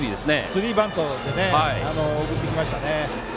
スリーバントで送ってきましたね。